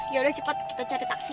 yaudah cepat kita cari taksi